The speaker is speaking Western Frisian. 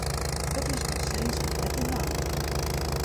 It is mei sizzen net te dwaan.